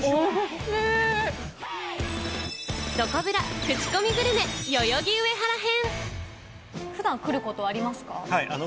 どこブラ、クチコミグルメ、代々木上原編！